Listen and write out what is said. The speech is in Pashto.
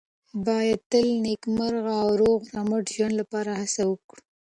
باید تل د نېکمرغه او روغ رمټ ژوند لپاره هڅه وکړو.